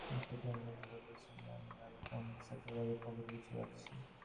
একটা ক্যামেরায় ধরা পড়েছে ইয়ান ম্যালকম, স্যাটলারের পকেটে কিছু রাখছে।